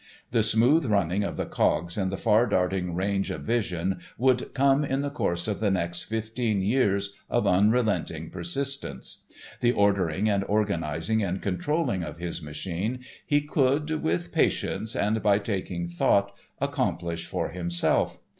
The smooth running of the cogs and the far darting range of vision would come in the course of the next fifteen years of unrelenting persistence. The ordering and organising and controlling of his machine he could, with patience and by taking thought, accomplish for himself.